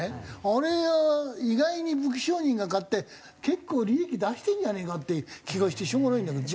あれは意外に武器商人が買って結構利益出してるんじゃねえかっていう気がしてしょうがないんだけど。